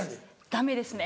ダメですね。